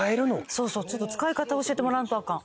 そうそうちょっと使い方を教えてもらわんとアカン。